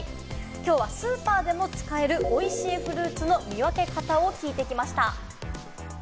きょうはスーパーでも使える、おいしいフルーツの見分け方を聞いてきました。